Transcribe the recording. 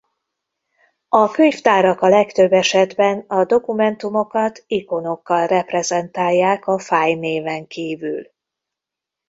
A könyvtárak a legtöbb esetben a dokumentumokat ikonokkal reprezentálják a fájlnéven kívül.